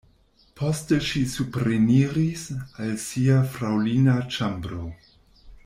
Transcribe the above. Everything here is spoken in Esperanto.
Poste ŝi supreniris al sia fraŭlina ĉambro.